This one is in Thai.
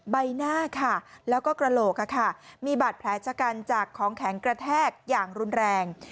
ใบหน้าค่ะแล้วก็กระโหลกมีบาดแผลชะกันจากของแข็งกระแทกอย่างรุนแรง